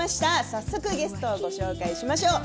早速ゲストをご紹介しましょう。